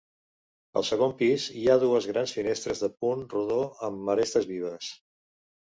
Al segon pis hi ha dues grans finestres de punt rodó amb arestes vives.